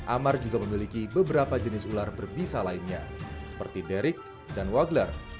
amar juga memiliki beberapa jenis ular berbisa lainnya seperti derik dan wagler